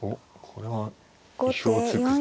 これは。